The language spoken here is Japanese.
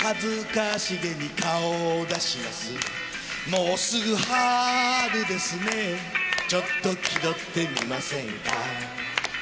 「もうすぐ春ですねちょっと気取ってみませんか」